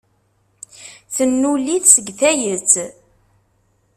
Tennul-it seg tayet.